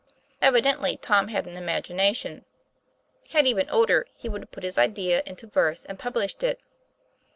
Evidently Tom had an imagination. Had he been older, he would have put his idea into verse and published it.